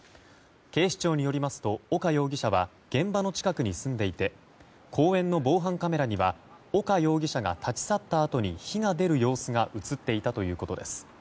警視庁によりますと、岡容疑者は現場の近くに住んでいて公園の防犯カメラには岡容疑者が立ち去ったあとに火が出る様子が映っていたということです。